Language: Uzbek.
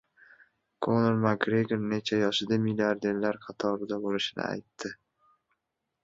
Konor Makgregor necha yoshida milliarderlar qatorida bo‘lishini aytdi